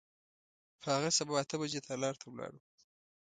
په هغه سبا اته بجې تالار ته ولاړو.